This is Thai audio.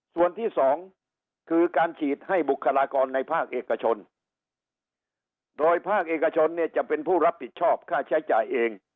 ส่วนที่สองคือการฉีดให้บุคลากรในภาคเอกชนโดยภาคเอกชนเนี่ยจะเป็นผู้รับผิดชอบค่าใช้จ่ายเอง